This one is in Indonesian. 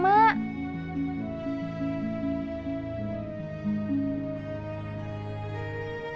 masa kelahan ya